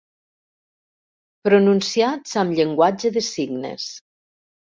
Pronunciats amb llenguatge de signes.